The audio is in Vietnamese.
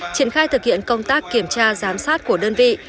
triển khai thực hiện công tác kiểm tra giám sát của đơn vị